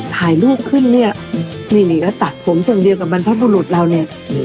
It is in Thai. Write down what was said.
ถ่ายรูปขึ้นเนี่ยนี่นี่ก็ตัดผมอย่างเดียวกับบรรพบุรุษเราเนี่ย